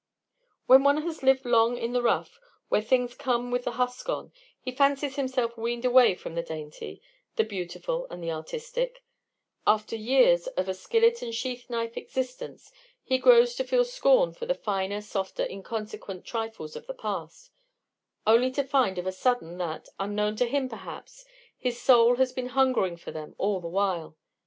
When one has lived long in the rough where things come with the husk on, he fancies himself weaned away from the dainty, the beautiful, and the artistic; after years of a skillet and sheath knife existence he grows to feel a scorn for the finer, softer, inconsequent trifles of the past, only to find, of a sudden, that, unknown to him perhaps, his soul has been hungering for them all the while.